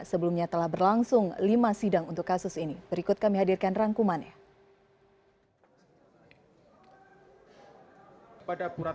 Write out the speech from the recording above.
sebelumnya telah berlangsung lima sidang untuk kasus ini berikut kami hadirkan rangkumannya